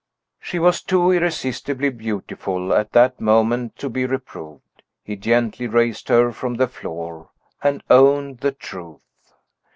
She was too irresistibly beautiful, at that moment, to be reproved. He gently raised her from the floor and owned the truth.